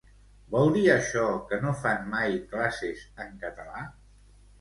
Vol dir això que no fan mai classes en català?